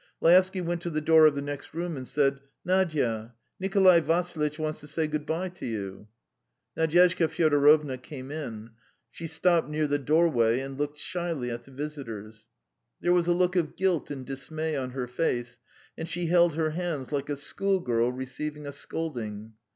Laevsky went to the door of the next room, and said: "Nadya, Nikolay Vassilitch wants to say goodbye to you." Nadyezhda Fyodorovna came in; she stopped near the doorway and looked shyly at the visitors. There was a look of guilt and dismay on her face, and she held her hands like a schoolgirl receiving a scolding.